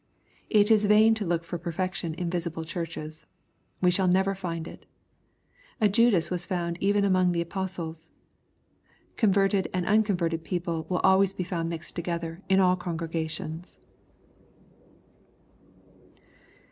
It is vain to look for perfection in visible churches. Wc shall never find it. A Judas was found even among the apostles. Converted and unconverted people will always be found mixed together in all congregations.